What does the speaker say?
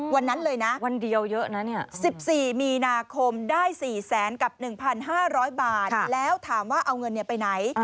วันนั้นเลยนะสิบสี่มีนาคมได้๔แสนกับ๑๕๐๐บาทแล้วถามว่าเอาเงินไปไหน